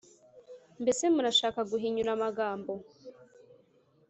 mbese murashaka guhinyura amagambo,